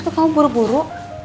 kok kamu buru buru